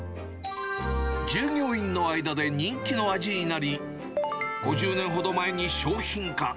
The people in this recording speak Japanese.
従業員の間で人気の味になり、５０年ほど前に商品化。